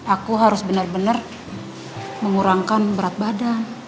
aku harus benar benar mengurangi berat badan